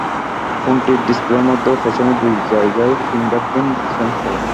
ফোনটির ডিসপ্লের মধ্যে ও পেছনে দুই জায়গায় ফিঙ্গারপ্রিন্ট সেন্সর।